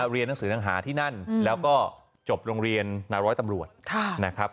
เรียนหนังสือหนังหาที่นั่นแล้วก็จบโรงเรียนนาร้อยตำรวจนะครับ